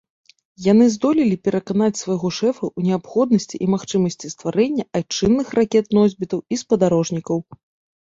Яны здолелі пераканаць свайго шэфа ў неабходнасці і магчымасці стварэння айчынных ракет-носьбітаў і спадарожнікаў.